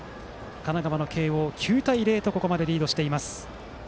神奈川の慶応９対０とここまでリードしています。